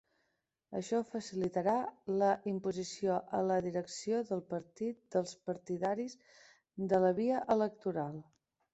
Això facilitarà la imposició a la direcció del partit dels partidaris de la via electoral.